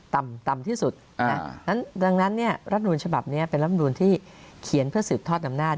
ต่ำต่ำที่สุดดังนั้นเนี่ยรัฐนูลฉบับนี้เป็นรัฐมนูลที่เขียนเพื่อสืบทอดอำนาจ